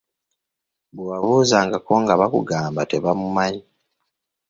Bwe wabuuzangako nga bakugamba tebamumanyi.